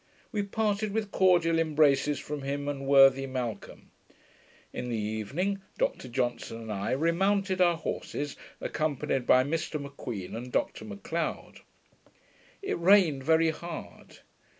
We parted with cordial embraces from him and worthy Malcolm. In the evening Dr Johnson and I remounted our horses, accompanied by Mr M'Queen and Dr Macleod. It rained very hard.